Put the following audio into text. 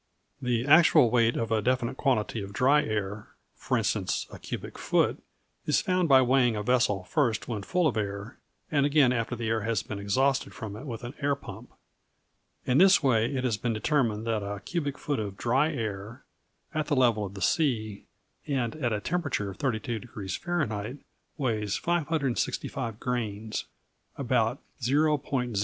The actual weight of a definite quantity of dry air for instance, a cubic foot is found by weighing a vessel first when full of air, and again after the air has been exhausted from it with an air pump. In this way it has been determined that a cubic foot of dry air, at the level of the sea, and at a temperature of 32° F., weighs 565 grains about 0.0807 lb.